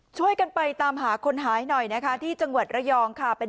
ช่วยกันไปตามหาคนหายหน่อยนะคะที่จังหวัดระยองค่ะ